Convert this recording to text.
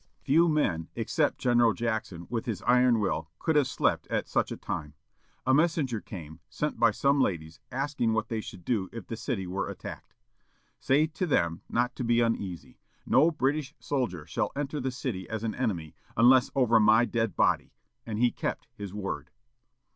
Few men except General Jackson, with his iron will, could have slept at such a time. A messenger came, sent by some ladies, asking what they should do if the city were attacked. "Say to them not to be uneasy. No British soldier shall enter the city as an enemy, unless over my dead body," and he kept his word.